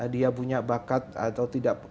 dia punya bakat atau tidak